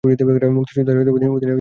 মুক্তিযোদ্ধাদের অধিনায়ক মাহবুবুর রহমান।